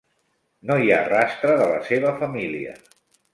No hi ha rastre de la seva família.